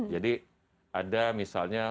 jadi ada misalnya